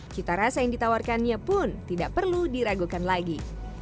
cita rasa yang ditawarkannya pun tidak perlu diragukan lagi